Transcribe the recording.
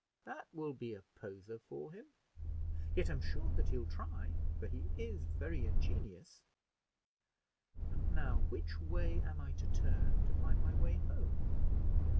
That will be a poser for him; yet I'm sure that he will try, for he is very ingenious. And now, which way am I to turn to find my way home?